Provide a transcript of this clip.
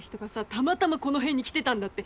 たまたまこの辺に来てたんだって。